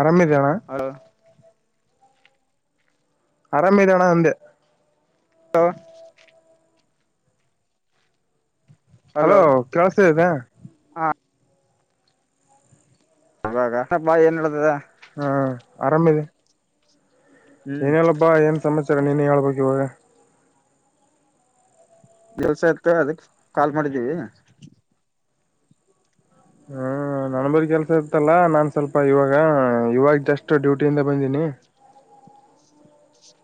ಆರಾಮ ಇದ್ದಿ ಅಣ್ಣಾ. ಹ ಆರಾಮ ಇದಿ ಅಣ್ಣಾ ಅಂದೆ. ಹಲೋ ಹಲೋ ಕೇಳಸತ ಇದಿದೆ. ಹ ಹಾಗ ಅಷ್ಟಪ್ಪ ಏನ್ ನಡೆದಿದೆ. ಹಾ ಆರಾಮ ಇದೆ. ಹ್ಮ್ ಏನೇಲ್ಲಪ್ಪಾ ಏನು ಸಮಾಚಾರ ನೀನ್ನೇ ಹೇಳ್ಬೇಕ ಇವಗಾ. ಕೆಲಸ್ ಇತ್ತ ಅದಕ್ಕ್ ಕಾಲ್ ಮಾಡಿದ್ದೀವಿ. ಹ್ಮ ನನ್ ಬರ್ ಕೆಲಸ ಇರ್ತ್ತಲ್ಲ ನಾನನ್ ಸ್ವಲ್ಪ ಇವಾಗ ಇವಾಗ ಜಸ್ಟ್ ಡ್ಯೂಟಿಯಿಂದ ಬಂದೀನಿ..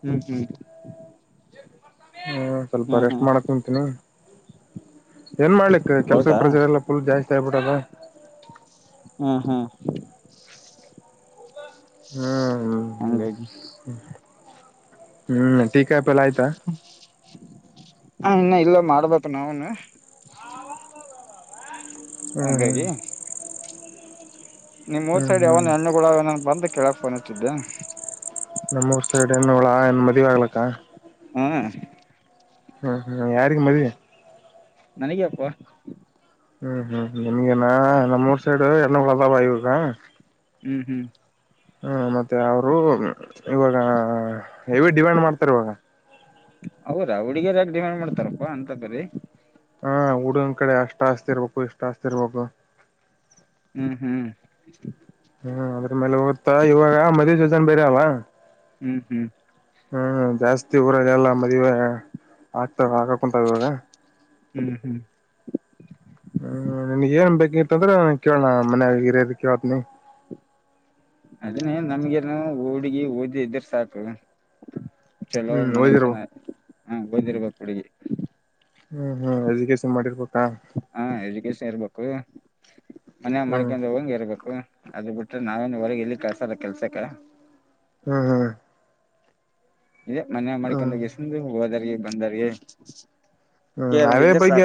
ಹ್ಮ್ ಹ್ಮ್ ಹ್ಮ ಸ್ವಲ್ಪ ಹ್ಮ್ ರೆಸ್ಟ್ ಹ್ಮ್ ಮಾಡ ಕುಂತೀನಿ. ಏನ್ ಮಾಡ್ಲಿಕ್ಕ ಕೆಲ್ಸ ಹೌದಾ ಪ್ರಜೆರ್ ಎಲ್ಲ ಫುಲ್ ಜಾಸ್ತಿ ಆಗ್ಬಿಟ್ಟದ ಹ್ಮ ಹಾ. ಹ್ಮ್ ಹ್ಮ ಹಂಗಾಗಿ ಹ್ಮ್ ಟೀಕ್ಯಪೆಲ್ಲ ಆಯ್ತಾ ಹ ಇನ್ನ ಇಲ್ಲ ಮಾಡ್ಬೇಕು ನಾವುನು ಹ್ಮ್ ಹಂಗಾಗಿ ಹ್ಮ್ ನಿಮ್ ಊರ್ ಹ್ಮ್ ಸೈಡ್ ಹ್ಮ್ ಯಾವಾನ ಹೆಣ್ಣುಗೊಳ್ ಬಂದು ಕೇಳಕ್ ಫೋನ್ ಹಚ್ಚಿದ್ದೆ. ನಮ್ಮೂರ್ ಊರ್ ಸೈಡ್ ಹೆಣ್ಣಗೊಳಾ ಏನ್ ಮದುವೆ ಆಗ್ಲಕ್ಕಾ ಹಾ. ಹ್ಮ್ ಹ್ಮ್ ಯಾರಿಗೆ ಮದುವಿ ನನಗೆ ಅಪ್ಪ. ಹ್ಮ್ ಹ್ಮ್ ನಿಮಗೆನಾ ನಮ್ಮ ಊರು ಸೈಡು ಹಣ್ಣಗೊಳ್ ಅದಾವಾ ಈಗ ಹ್ಮ್ ಹ್ಮ್. ಹ್ಮ ಮತ್ತೆ ಅವರು ಇವಾಗ ಹೆವಿ ಡಿಮ್ಯಾಂಡ್ ಮಾಡ್ತಾರೆ ಇವಾಗ ಹೌದಾ ಹುಡಗಿಯರ ಯಕ ಡಿಮ್ಯಾಂಡ್ ಮಾಡ್ತಾರಪ್ಪಾ ಅಂತ ಪರೀ ಹಾ ಹುಡಗನ್ ಕಡೆ ಅಷ್ಟ ಆಸ್ತಿ ಇರ್ಬೇಕು ಇಷ್ಟ ಆಸ್ತಿ ಇರ್ಬೇಕು ಹ್ಮ್ ಹ್ಮ್. ಹ್ಮ್ ಅದ್ರ ಮೇಲೆ ಹೋಗತ್ತಾ ಇವಾಗ ಮದ್ವಿ ಸೀಸನ್ ಬೇರೆ ಅವಾ ಹ್ಮ್ ಹ್ಮ್. ಹ್ಮ್ ಜಾಸ್ತಿ ಊರಗೆಲ್ಲ ಮದ್ವೀ ಆಗ್ತಾವ ಆಗಾಕುಂತಾವ ಇವಾಗ ಹ್ಮ್ ಹ್ಮ್. ಹ್ಮ ನಿಮ್ಗ ಏನ್ ಬೇಕಿತ್ ಅಂದ್ರೆ ಕೇಳಣಾ ಮನ್ಯಾಗ ಹಿರ್ಯಾರನ ಕೇಳತ್ನಿ ಅದನ್ನೇ ನಮ್ಗೆನು ಹುಡುಗಿ ಓದಿದ್ರ ಇದ್ರ ಸಾಕು. ಚಲೋ ಹ್ಮ್ ಓದಿರ್ಬೇಕು ಮನೆತನಾ [unintelligible] ಹ ಓದಿರ್ಬೇಕು ಹುಡುಗಿ. ಹ್ಮ್ ಹ್ಮ್ ಎಜುಕೇಶನ್ ಮಾಡಿರ್ಬೇಕಾ ಹಾ ಎಜುಕೇಶನ್ ಇರ್ಬೇಕು ಮನ್ಯಾಗ ಹ್ಮ್ ಮಾಡ್ಕೊಂಡ್ ಹೋಗಂಗ ಇರ್ಬೇಕು ಅದ್ ಬಿಟ್ರೆ ನಾವೇನು ಹೊರಗೆ ಎಲ್ಲಿ ಕಳ್ಸಲ್ಲ ಕೆಲ್ಸಕ್ಕ ಹ್ಮ್ ಹ್ಮಾ. ಇದೆ ಮನೆ ಹ್ಮ್ ಮಾಡ್ಕೊಂಡ್--ಗಸಂದು ಹೋದಾರಿಗೆ ಬಂದಾರ್ಗೆ ಹ್ಮ್ ಅವೇ ಬೈಗ್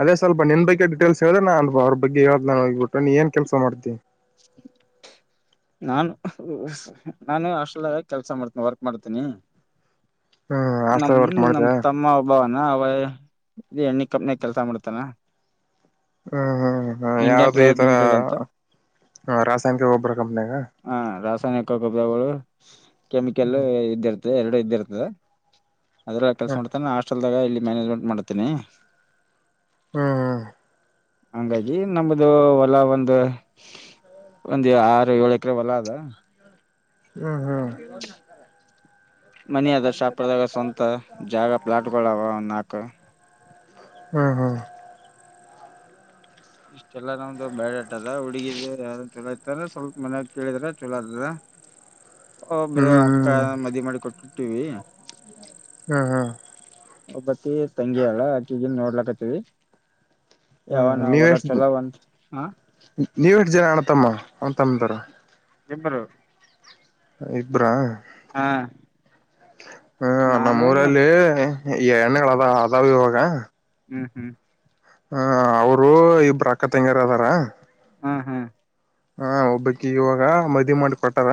ಅದೇ ಸ್ವಲ್ ನಿನ್ನ ಬಗ್ಗೆ ಡಿಟೇಲ್ಸ್ ಹೇಳಿದೆ ನಾ ಅಲ್ಲಿ ಅವ್ರ ಬಗ್ಗೆ ಹೇಳ್ತೀನಿ ಹೋಗಬಿಟ್ಟು ನೀ ಏನ್ ಕೆಲಸ ಮಾಡತಿ [unintelligible] ನಾನು [unintelligible] ನಾನು ಹಾಷ್ಟಲ್ನಾಗ ಕೆಲ್ಸ ಮಾಡ್ತೀನಿ ವರ್ಕ್ ಮಾಡ್ತೀನಿ ಹ್ಮ್ ನಮ್ ಹಾಸ್ಟೆಲ್ ವರ್ಕ್ ನಮ್ ಮಾಡಿದ್ಯಾ ತಮ್ಮ ಒಬ್ಬವನಾ ಅವ ಇ ಎಣ್ಣಿ ಕಂಪನ್ಯಾಗ ಕೆಲಸ ಮಾಡ್ತಾನ ಹ್ಮ್ ಹ್ಮ್ ಹ್ಮ್ ಇಂಡಿಯನ್ ಯಾವ್ದು ಈ ಪ್ರೈವೇಟ್ ತರಾ ಲಿಮಿಟೆಡ್ ಅಂತ ರಾಸಾಯನಿಕ ಗೊಬ್ಬರ ಕಂಪನ್ಯಾಗಾ ಹಾ ರಾಸಾಯನಿಕ ಗೊಬ್ಬರಗಳು ಕೆಮಿಕಲ್ಲ ಹ್ಮ್ ಇದ್ದಿರ್ತ ಎರಡು ಇದ್ದೆ ಇರ್ತದೆ ಅದ್ರ ಕೆಲಸ ಮಾಡ್ತಾನೆ ಹಾಸ್ಟೆಲ್ದಾಗ ಇಲ್ಲಿ ಮ್ಯಾನೇಜ್ಮೆಂಟ್ ಮಾಡ್ತೇನಿ ಹ್ಮ್ ಹ್ಮ ಹ. ಹಂಗಾಗಿ ನಮ್ದು ಹೊಲ ಒಂದು ಒಂದು ಆರು ಏಳ ಎಕರೆ ಒಲಾ ಅದ ಹ್ಮ್ ಹ್ಮ್. ಮನ ಅದ ಶಾಪಾರದಾಗ ಸ್ವಂತ ಜಾಗ ಪ್ಲಾಟ್ ಗಳು ಅವ ಒಂದ ನಾಲ್ಕು ಹ್ಮ್ ಹಾ. ಇಷ್ಟೆಲ್ಲಾ ನಮ್ದು ಬಯಾಡಾಟ ಅದ ಹುಡುಗಿದ ಯಾರನ್ ಚುಲೋ ಇತ್ತದ ಸ್ವಲ್ಪ ಮನ್ಯಾಗ ಕೇಳಿದ್ರೆ ಚಲೋ ಇರ್ತದ. ಒಬ್ಬರು ಅಕ್ಕ ಮದ್ವಿ ಮಾಡಿ ಕೊಟ್ಬೀವಿ ಹ್ಮ [unintelligible] ಹ್ಮ್ ಹ್ಮ್ ಒಬ್ಬಕಿ ತಂಗಿ ಅಳ ಆಕಿಗಿನ್ ನೋಡ್ಲಕ್ತವಿ ಯಾವನ ವರಾ ಚಲೋಂತ ಹ ನೀವ ಎಷ್ಟು ಜನ ಅಣತಮ್ಮ ಅಂತಮ್ಮಂದರ ಇಬ್ರು ಇಬ್ರಾ ಹ ಹ ನಾನೇನ್ ನಮ್ ನಮ್ಮೂರಲ್ಲಿ ಈ ಎಣ್ಣಗಳು ಅದ ಅದಾವ ಇವಾಗ ಹ್ಮ್ ಹ್ಮ್ ಹ ಅವರು ಇಬ್ಬ್ರ ಅಕ್ಕ ತಂಗಿಯಾರ ಅದಾರ ಹಾ ಹಾಂ ಹಾ ಒಬ್ಬಕ್ ಇವಾಗ ಮದುವೆ ಮಾಡಿ ಕೊಟ್ಟಾರ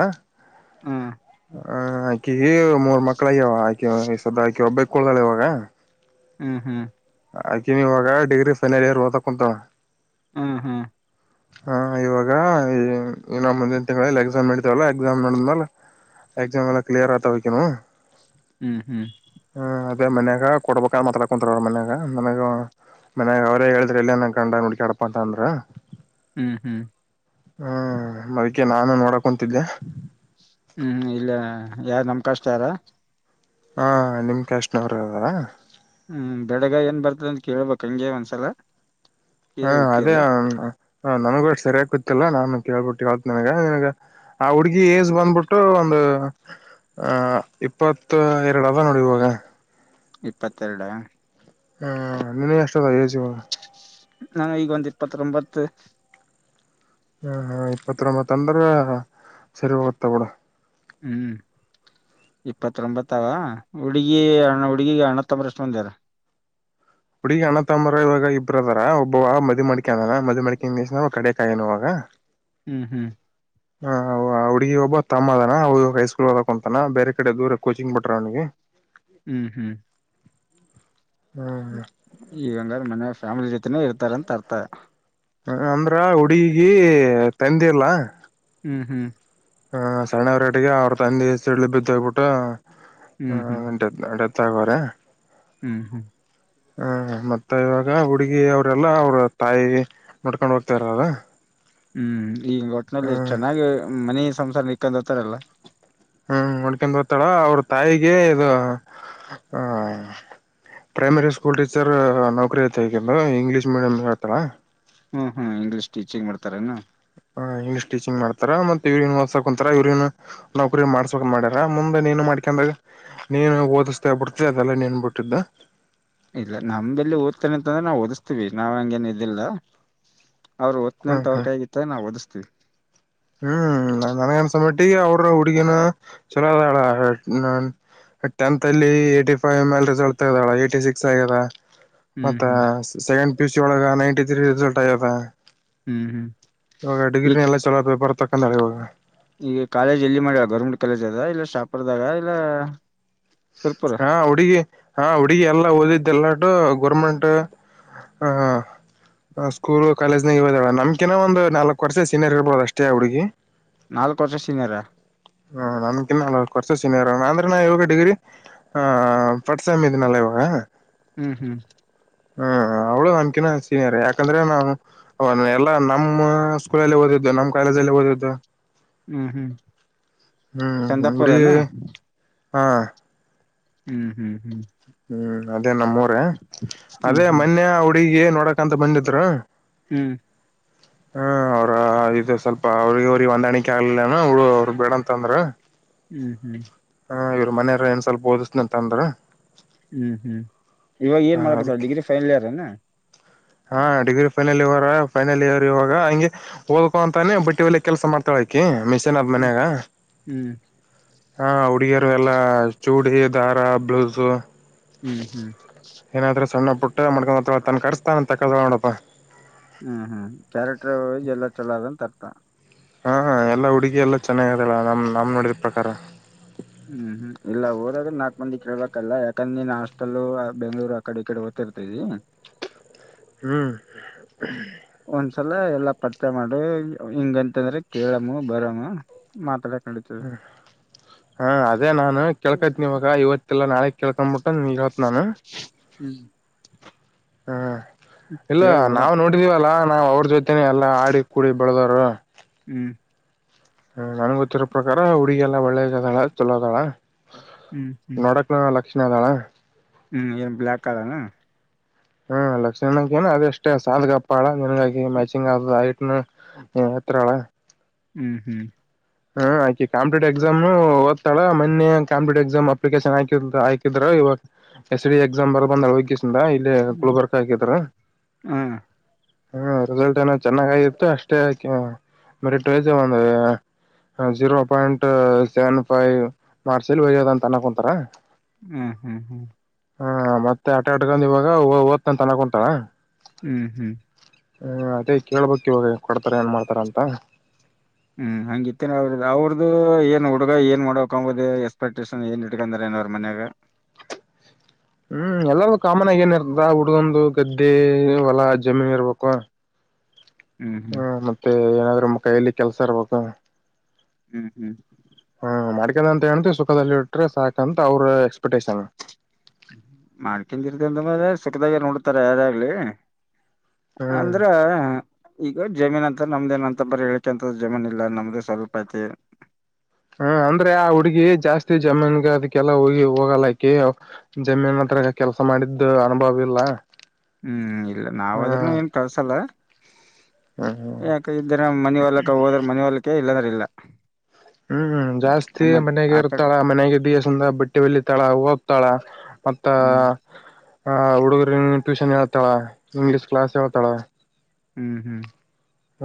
ಆ ಆಕಿಗಿ ಮೂರ್ ಮಕ್ಳಗ್ಯಾವ ಆಕಿ ಸದ ಆಕಿ ಒಬ್ಬೇ ಕಿ ಕುಳ್ದಾಳ ಇವಾಗ ಹ್ಮ್ ಹ್ಮ್ ಆಕೆ ನೀವಾಗ ಡಿಗ್ರಿ ಫೈನಲ್ ಇಯರ್ ಓದ ಕುಂತಳ ಹ್ಮ ಹ್ಮ್ ಹಾ ಇವಾಗ ಇ ನ ಮುಂದನ್ ತಿಂಗಳ ಎಕ್ಸಾಮ್ ಇಡತವಲ್ಲಾ ಎಕ್ಸಾಮ್ ನಡಿದ್ಮೇ ಎಕ್ಸಾಮ್ ಎಲ್ಲ ಕ್ಲಿಯರ್ ಆತಾ ವಕ್ಕಿನು ಹ್ಮ್ ಹ್ಮ್ ಹ ಅದೇ ಮನ್ಯಾಗ ಕೊಡ್ಬೇಕಾದ ಮಾತಾಡ್ಕೊಂತಾರೆ ಅವರು ಮನ್ಯಾಗ ನಮಗೆ ಮನ್ಯಾಗ ಅವ್ರೇ ಹೇಳಿದ್ರ ಎಲ್ಲಿ ಏನ ಗಂಡನ ಹುಡ್ಕಾಡಪ್ಪ ಅಂತ ಅಂದ್ರ ಹ್ಮ್ ಹ್ಮ್ ಹ್ಮ್ ಅದಕೆ ನಾನು ನೋಡಕ ಕುಂತಿದ್ದೆ ಹ್ಮ್ ಇಲ್ಲ ಯಾರ ನಮ್ ಕಾಷ್ಟ ಅರ ಹಾಂ ನಿಮ ಕ್ಯಾಸ್ಟನವರಾ ಹ್ಮ್ ಬೆಡಗ ಏನ್ ಬರ್ತದ ಅಂತ ಕೇಳ್ಬಕ್ ಹಂಗೆ ಒಂದ್ಸಲ ಹ್ಮ ಕೇಳಿ ಅದೇ ಇಟ್ಟಿರಿ ನನ್ಗ ಸರಿಯಾಗಿ ಗೊತ್ತಿಲ್ಲ ನಾನ್ ಕೇಳ್ಬಿಟ್ಟು ಕಳ್ತ ನನ್ಗ ನನ್ಗ ಆ ಹುಡ್ಗಿ ಏಜ್ ಬಂದ್ಬಿಟ್ಟು ಒಂದು ಆ ಇಪ್ಪತ್ತು ಎರಡು ಅದ ನೋಡ ಇವಾಗ ಇಪ್ಪತ್ತೆರಡಾ ಹ್ಮ ನಿನ್ನಖ ಎಷ್ಟ ಅದಾವ ಎಜ್ ಇವಾಗ ನಾನ ಈಗ ಒಂದ್ ಇಪತ್ತ್ರೊಂಬತ ಹ ಹ ಇಪ್ಪತ್ತರೊಂಬತ್ ಅಂದ್ರೆ ಸರಿ ಓದುತ್ತಾಳ ಬಿಡು ಹ್ಮ್ ಇಪ್ಪತ್ತೊಂಬತ್ತಾವ ಹುಡುಗಿಣ್ಣ ಹುಡುಗಿಗೆ ಅಣ್ಣತಂಬರಷ್ಟು ಮಂದಿ ಅದಾರ ಹುಡಗಿ ಅಣ್ಣ ತಂಬರ ಇವಾಗ ಇಬ್ಬರ ಅಧಾರ್ ಒಬ್ಬ ಮದಿವಿ ಮಾಡ್ಕೊ ಅನ ಮದಿ ಮಡ್ಕೊಂಡನ್ ದ ಕಡೆ ಯಾಕಾಯನುವಾಗ [unintelligible] ಹ್ಮ್ ಹ್ಮ್ ಹಾ ಹೌ ಹುಡ್ಗಿ ಒಬ್ಬ ತಮ್ಮ ಅದ್ನ ಅವು ಹೈಸ್ಕೂಲ್ ಓದಾಕಂತಾನ ಬೇರೆ ಕಡೆ ದೂರ ಕೋಚಿಂಗ್ ಬಿಟ್ರ ಅವನಿಗೆ ಹ್ಮ್ ಹ್ಮ್ ಹ್ಮ್ ಹ್ಮ್ ಈಗ ಹಂಗಾದ್ರೆ ಮನೆಯ ಫ್ಯಾಮಿಲಿ ಜೊತೆನೇ ಇರ್ತಾರ ಅಂತ ಅರ್ತ ಹ ಅಂದ್ರ ಹುಡುಗಿ ತಂದಿ ಇಲ್ಲಾ ಹ್ಮ್ ಹ್ಮ್ ಹ ಸಣ್ಣವರಟಗೆ ಅವ್ರ ತಂದೆ ಸಿಡ್ಲು ಬಿದ್ದೋಗ್ಬಿಟ್ಟು ಆ ಹ್ಮ್ ಹ್ಮ್ ಅ ಅ ಚ ಕ [unintelligible] ಹ್ಮ್ ಹ್ಮ್ ಹ ಮತ್ತೆ ಇವಾಗ ಹುಡುಗಿ ಅವರೆಲ್ಲಾ ಅವ್ರ ತಾಯಿ ನೋಡ್ಕೊಂಡ್ ಹೋಗ್ತಾ ಇರದ ಹ್ಮ್ ಈಗ್ ಒಟ್ಟನಲ್ಲಿಷ್ಟ ಚೆನ್ನಾಗಿ ಮನೇ ಸಂಸಾರ ನಿಕ್ಕೊಂಡು ಹೋತಾರಲ್ಲಾ ಹ್ಮ್ ನಡ್ಕೊಂಡ್ ಹೋಗತಾಳ ಅವ್ರ ತಾಯಿಗೆ ಇದು ಆ ಪ್ರೈಮರಿ ಸ್ಕೂಲ್ ಟೀಚರ್ ನೌಕರಿ ಐತಿ ಅಕಿಂದು ಇಂಗ್ಲೀಷ್ ಮೀಡಿಯಂ ಹತಾ ಹ್ಮ್ ಹ್ಮ್ ಇಂಗ್ಲೀಷ್ ಟೀಚಿಂಗ್ ಮಾಡತಾರೇನು ಹ ಇಂಗ್ಲಿಷ್ ಟೀಚಿಂಗ್ ಮಾಡತಾರ ಮತ್ತೆ ಇವ್ರ್ನಾ ಹೋದ್ಸಕುಂತಾರ ಇವ್ರೇನು ನೌಕರಿ ಮಾಡ್ಸೋಕ ಮಾಡ್ಯಾರ ಮುಂದೆ ನೀನು ಮಾಡ್ಕ್ಯೆನ್ಡ್ ಹೋಗು ನೀನು ಓದಿಸ್ತಾ ಬಿಿಡ್ತಿ ಅದೆಲ್ಲಾ ನೀನ್ ಬಿಟ್ಟಿದ್ದ ಇಲ್ಲ ನಮ್ದೆಲ್ಲಿ ಓತ್ತಿನೆ ಅಂತಂದ್ರೆ ನಾವು ಓದಿಸ್ತೀವಿ ನಾವ್ ಹಂಗೇನ ಇದಿಲ್ಲ ಅವ್ರರು ಒತ್ತಿನಿ ಹ್ಮ್ ಅಂತ ಅವ್ರ ಹ್ಮ್ ಕೈಗತ್ತ ಅಂದ್ರ ನಾವು ಓದುಸ್ತಿನಿ ಹ್ಮ್ ನಾನ್ ನನಗನ್ಸಮ್ಮೆಟ್ಟಿಗೆ ಅವ್ರ ಹುಡುಗಿನ ಚಲೋ ಅದಾಳ ನ ಟೆಂತ್ ಅಲ್ಲಿ ಏಟಿ ಫೈವ್ ಮೇಲೆ ರಿಸಲ್ಟ್ ತಗ್ದಾಳ ಏಟಿ ಸಿಕ್ಸ್ ಆಗ್ಯದ ಹ್ಮ್ ಮತ್ತ ಹ್ಮ್ ಸೆಕೆಂಡ್ ಪಿ ಯು ಸಿ ಒಳಗ ನೈಂಟಿ ತ್ರೀ ರಿಸಲ್ಟ್ ಆಗ್ಯ್ಯದ ಹ್ಮ್ ಹ್ಮ್ ಇವಾಗ ಈ ಡಿಗ್ರಿಿನ ಎಲ್ಲ ಚಲೋ ಬರ್ತ ತಕಂದ ಇವಾಗ ಈಗ ಕಾಲೇಜ್ ಎಲ್ಲಿ ಮಾಡ ಗೌರ್ಮೆಂಟ್ ಕಾಲೇಜ್ ಅದ ಇಲ್ಲ ಶಾಪುರ್ದಾಗ ಇಲ್ಲ ಸುರ್ಪುರ ಹಾ ಹುಡುಗಿ ಹಾ ಹುಡುಗಿ ಎಲ್ಲಾ ಓದಿದ್ದೆಲ್ಲ ಒಟ್ಟು ಗೋರ್ಮೆಂಟ್ ಹ ಸ್ಕೂಲ್ ಕಾಲೇಜನಾಗ ಹೋದ ನಮಕಿನ ಒಂದು ನಾಲ್ಕ್ ವರ್ಷ ಸೀನಿಯರ್ಬೋುದು ಅಷ್ಟೇ ಹಾ ಹುಡುಗಿ ನಾಲ್ಕ್ ವರ್ಷ ಸೀನಿಯರ್ ಹಾ ಹ್ಮ ನನಕ್ಕಿಂನಾ ನಾಲ್ಕ್ ವರ್ಷ ಸೀನಿಯರ್ ಅಂದ್ರೆ ನಾ ಇವಾಗ ಡಿಗ್ರಿ ಹಾ ಫಸ್ಟ್ ಸೇಮ್ ಇದಿನಲ್ಲ ಇವಾಗ ಹ್ಮ್ ಹ್ಮ್ ಹ್ಮ್ ಅವ್ಳು ನನ್ಕಿನ ಸೀನಿಯಾರೆ ಯಾಕಂದ್ರೆ ನಾವು ಎಲ್ಲಾ ನಮ್ಮ್ ಸ್ಕೂಲಲ್ಲಿ ಓದಿದ್ದು ನಮ್ಮ್ ಕಾಲೇಜ ಅಲ್ಲಿ ಓದಿದ್ದು ಹ್ಮ್ ಹ್ಮ್ ಹ್ಮ ಹುಡುಗಿ ಚಂದಾಪುರನ ಹಾ ಹ್ಮ್ ಹ್ಮ್ ಹ್ಮ್ ಹ್ಮ್ ಅದೇ ನಮ್ಮ ಉರೆ ಹ್ಮ್ ಅದೇ ಹ್ಮ್ ಮೊನ್ನೆ ಹುಡುಗಿಗೆ ನೋಡಕ ಅಂತ ಬಂದಿದ್ರು ಹ್ಮ್ ಹ್ಮ ಅವ್ರ ಇದು ಸ್ವಲ್ಪ ಅವ್ರಗ ಅವ್ರಿಗೆ ಹೊಂದಾಣಿಕೆ ಆಗ್ಲಿಲ್ಲನ ಅವ್ರಗ್ ಬೇಡಂತ ಅಂದ್ರ ಹ್ಮ್ ಹ್ಮ್ ಹಾ ಇವ್ರ್ ಮನೆಯಾವ್ರ್ ಏನ್ ಸ್ವಲ್ ಓಡುಸ್ತಿನಿ ಅಂದ್ರ ಹ್ಮ್ ಹ್ಮ್ ಇವಾಗ ಹ ಏನ್ ಮಾಡ್ಕತ ಅದಕ್ಕೆ ಡಿಗ್ರಿ ಫೈನಲ್ ಇಯರ್ ಎನಾ ಹಾ degree final year final year ಇವಾಗ ಹಂಗೆ ಓದಕೋ ಅಂತಾನೆ ಬಟ್ಟಿ ಹೊಲಿಯ ಕೆಲಸ ಮಾಡ್ತ ಕಿ ಮಿಶನ್ ಅದ್ ಹ್ಮ್ ಮನ್ಯಾಗ ಹ್ಮ್ ಹಾ ಹುಡುಗಿಯರು ಎಲ್ಲ ಚೂಡಿ ದಾರ ಬ್ಲೌಸು ಹ್ಮ್ ಹ್ಮ್ ಏನಾದ್ರೂ ಸಣ್ಣ ಪುಟ್ಟ ಮಾಡ್ಕೊಂಡ ಹೋಗ್ತಾಳಂತ ತನ್ ಖರ್ಚ್ ತನ್ ತಕ್ಕೊತಾಲ್ ನೋಡಪ್ಪ ಹ್ಮ್ ಹ್ಮ್ ಕ್ಯಾರೆಟ್ರ್ ಒಳಗ್ ಎಲ್ಲಾ ಚಲೋ ಆದಂಥರ್ತ ಹಾ ಎಲ್ಲ ಹುಡುಗಿ ಎಲ್ಲಾ ಚೆನ್ನಾಗದಲ್ಲ ನಮ್ ನಮ್ ನೋಡಿದ ಪ್ರಕಾರ ಹ್ಮ್ ಹ್ಮ್ ಇಲ್ಲ ಊರಲ್ಲು ನಾಕ್ ಮಂದಿ ಕೇಳ್ಬೇಕಲ್ಲಾ ಯಾಕಂದ್ರೆ ನೀನ್ ಹಷ್ಟಲ್ಲೂ ಬೆಂಗಳೂರು ಕಡೆ ಕಡೆಓ್ತ ಇರ್ತೈರಿ [unintelligible] ಹ್ಮ್ [unintelligible] ಒಂದ್ಸಲ ಎಲ್ಲಾ ಪರಿಚಯ ಮಾಡು ಹಿಂಗಂತಂದ್ರೆ ಕೇಳಮ್ಮ ಬರಮ್ಮ ಮಾತಾಡಕ ನೆಡಿತೇತಿ. ಹ್ಮ ಹಾ ಅದೇ ನಾನ್ ಕೇಳ್ಕೈತಿನಿ ಇವಾಗ ಇವತ್ತಲ್ಲ ನಾಳೆ ಕೇಳ್ಕೊಂಡ್ಬಿಟ್ಟ ನಿಂಗೆ ನಾನು. ಹ್ಮ್ ಹ್ಮ್ ಇಲ್ಲ ಕೇಳ್ ನಾವು ನೋಡಮ್ ನೋಡಿದೀವಲ್ಲಾ ನಾವ್ ಅವ್ರ ಜೊತೆನೆ ಎಲ್ಲಾ ಆಡಿ ಕೂಡಿ ಬೆಳದವರು. ಹ್ಮ್ ಹ್ಮ ನನ್ಗೆ ಗೊತ್ತಿರೋ ಪ್ರಕಾರ ಹುಡುಗಿ ಎಲ್ಲ ಒಳ್ಳೆದದಾಳ ಚಲೋ ಅದಾಳ ಹ್ಮ್ ಹ್ಮ್ ನಾ ಲಕ್ಷಣ ಅದಾಳ ಹ್ಮ್ ಏನ್ ಬ್ಲಾಕ್ ಕಾಲರ್ನ ಹ್ಮ್ ಲಕ್ಷ್ [unintelligible] ಏನ ಅದ ಎಷ್ಟೇ ಸಾದ್ಗಪ್ಪಳ ನಿನಗಕಿ ಮ್ಯಾಚಿಂಗ್ ಆದ [unintelligible] ಹ್ಮ ನೀನ್ ಎತ್ರ ಆಳಾ ಹ್ಮ್ ಹ್ಮ್ ಹ್ಮ ಆಕಿ ಕಾಂಪಿಟಿವ್ ಎಕ್ಸಾಮ್ ಓತ್ತಾಳ ಮನ್ನೆ ಕಂಪಿಟೀವ್ ಎಕ್ಸಾಮ್ ಅಪ್ಲಿಕೇಶನ್ ಹಾಕ ಹಾಕಿದ್ರ ಇವಾಗ ಎಸ್ ಡಿ ಎಕ್ಸಾಮ್ ಬರ್ದ್ ಬಂದಳ [unintelligible] ನಿಂದ ಇಲ್ಲಿ ಹ್ಮ್ ಗುಲ್ಬರ್ಗಾಕ್ ಹಾಕಿದ್ರು ಹಾ ಹ್ಮ ರಿಸಲ್ಟ್ ಏನ ಚೆನ್ನಾಗಾಗಿತ್ತು ಅಷ್ಟೇ ಅಕಿ merit [unintelligible] [unintelligible] zero point seven five marks ನಲ್ಲಿ ಹೋಗ್ಯದ ಅಂತ ಆನ್ಕುಂತಾರ ಹ್ಮ್ ಹ್ಮ್ ಹ್ಮ್ ಹಾ ಮತ್ತೆ ಆಟ ಆಟಕೊಂಡ್ ಇವಾಗ ಓದ್ತನಂತ ಅನಕೊಂತಾರ ಹ್ಮ್ ಹ್ಮ್ ಹ್ಮ್ ಅದೇ ಕೇಳ್ಬೇಕ್ ಇವಾಗ ಕೊಡ್ತಾರ ಏನ್ ಮಾಡ್ತಾರ ಅಂತ ಹ್ಮ್ ಹಂಗ ಇತ್ತೇನೆ ಅವ್ರ ಅವ್ರದ್ದು ಏನ್ ಹುಡುಗ ಏನ್ ಮಾಡ್ಬೇಕಂನದು ಎಕ್ಸ್ಪೆಕ್ಟೇಷನ್ ಏ ಏನ್ ಇಟ್ಕೊಂಡಿಂದಾರೆ ಅವರ ಮನೆಯವ್ರು ಹ್ಮ್ ಎಲ್ಲಾರಿಗೂ ಕಾಮನ್ ಆಗಿ ಏನ್ ಇರ್ತದ ಹುಡ್ಗುಂದು ಗದ್ದೆ ಹೊಲ ಜಮೀನ್ ಇರ್ಬೇಕು ಹ್ಮ್ ಹ್ಮ್ ಹ್ಮ ಮತ್ತೆ ಏನಾದ್ರು ನಮ್ಮ ಕೈಯಲ್ಲಿ ಕೆಲ್ಸ ಇರ್ಬೇಕು. ಹ್ಮ್ ಹ್ಮ್ ಹ್ಮ ಮ [unintelligible] [unintelligible] ಅಂತ ಹೇಂತವಿ ಸುಖದಲ್ಲಿ ಇಟ್ರೆ ಸಾಕಂತ ಅವ್ರ ಎಕ್ಸ್ಪೆಕ್ಟೇಷನ್ ಮಾಡ್ಕಿಂದಿ ಇರ್ದಂದ ಮೇಲೆ ಸುಖದಾಗ ನೋಡ್ತಾರೆ ಯಾರಾಗ್ಲಿ ಹ್ಮ್ ಅಂದ್ರ ಈಗ ಜಮೀನ್ ಅಂತ ನಮ್ದೇನಂತ ಬರೆ ಅಂತ ಜಮೀನಿಲ್ಲ ನಮ್ದೇ ಸ್ವಲ್ಪ ಐತಿ. ಹ್ಮ ಅಂದ್ರೆ ಆ ಹುಡ್ಗಿ ಜಾಸ್ತಿ ಜಮೀನ್ಗ ಅದಕ್ಕೆಲ್ಲಾ ಹೋಗಿ ಹೋಗಲ್ಲಾಕಿ ಜಮೀನ್ ಹತ್ರ ಕೆಲ್ಸ ಮಾಡಿದ್ದ ಅನುಭವ ಇಲ್ಲ. ಹ್ಮ್ ಇಲ್ಲ ಹ್ಮ ನಾವಾದ್ರೂನು ಏನ್ ಕಳ್ಸಲ್ಲ ಹ್ಮ್ ಯಾಕ ಇದ್ರ ಮನೆ ಹೊಡಟ ಹೋದ್ರ ಮನೆ ಹೊಲಕೆ ಇಲ್ಲದ್ರ ಇಲ್ಲ. ಹ್ಮ್ ಜಾಸ್ತಿ ಹ್ಮ್ ಮನೆಗೆ ಆ ಕಡೆ ಇರ್ತಾಳ ಮನೆಗೆ [unintelligible] ಸಂದ ಬಟ್ಟೆ ಹೋಲಿತಾಳ ಓದ್ತಾಳ ಮತ್ತ ಹ್ಮ್ ಹುಡುಗರ ಟ್ಯೂಷನ್ ಹೇಳ್ತಾಳ ಇಂಗ್ಲೀಷ್ ಕ್ಲಾಸ್ ಹೇಳ್ತಾಳ. ಹ್ಮ್ ಹ್ಮ್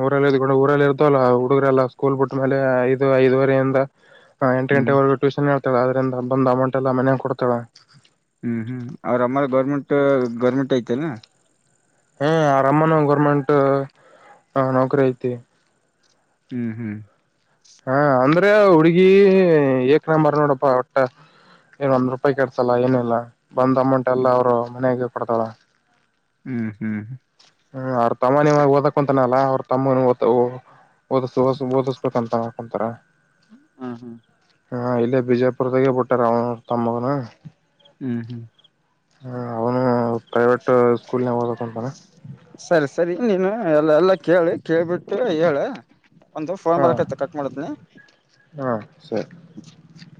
ಊರಲ್ಲಿ ಇದ್ಕೊಂಡು ಊರಲ್ಲಿ ಇರ್ತವಲ್ಲ ಹುಡುಗ್ರೇಲ್ಲಾ ಸ್ಕೂಲ್ ಬಿಟ್ಟ್ಮೇಲೆ ಐದು ಐದುವರೆೆಯಿಂದ ಎಂಟ ಹ್ಮ್ ಗಂಟೆವರೆಗೂ ಟ್ಯೂಷನ್ ಹೇತಳ ಅಂದ್ರಿಂದ ಬಂದ ಅಮೌಂಟ್ ಎಲ್ಲ ಮನೇಗ ಕೊಡ್ತಾಳ ಹ್ಮ್ ಹ್ಮ್ ಅವ್ರ ಅಮ್ಮ ಗೌರ್ಮೆಂಟ್ ಗೌರ್ಮೆಂಟ್ ಐತೆನ್ನು ಹ ಅವ್ರ್ ಅಮ್ಮನು ಗೌರ್ಮೆಂಟ್ ನೌಕರಿ ಐತಿ ಹ್ಮ್ ಹ್ಮ್ ಹಾ ಅಂದ್ರೆ ಹುಡ್ಗಿ ಏಕ್ ನಂಬರ್ ನೋಡಪ್ಪಾ ಒಟ್ಟ. ಏನ್ ಒಂದ್ ರೂಪಾಯಿ ಕೆಡ್ಸಲ್ಲ ಏನಿಲ್ಲ ಬಂದ್ ಅಮೌಂಟ್ ಎಲ್ಲಾ ಹ್ಮ್ ಅವರು ಮನೆಾಗ ಕೊಡ್ತಾಳ ಹ್ಮ್ ಹ್ಮ್ ಹ್ಮ ಅವ್ರ ತಮ್ಮ ನಿಮಾಗ ಓದಕೊಂತನಲ್ಲ ಅವ್ರ ತಮ್ಮ ಓ ಓದಿಸ ಓದ ಓದಿಸ್ಬೇಕಂತ ಕೊಂತರ ಹ್ಮ್ ಹಾ ಇಲ್ಲೇ ಬಿಜಾಪುರದಾಗೆ ಬಿಟ್ಟಾರ ಅವ್ನ ತಮ್ಮಗನ ಹ್ಮ್ ಹ್ಮ್ ಹ ಅವನು ಪ್ರೈವೇಟ್ ಸ್ಕೂಲ್ನಾಗ್ ಓದಕಂತಾನ ಸರಿ ಸರಿ ನೀನು ಎಲ್ಲ ಎಲ್ಲಾ ಕೇಳಿ ಕೇಳ್ಬಿಟ್ಟು ಹೇಳ ಒಂದು ಫೋನ್ ಹಾ ಬರಕೈತ ಕಟ್ ಮಾಡ್ತಿನಿ ಹಾ ಸರಿ [inaudible]